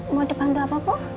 mau dibantu apa bu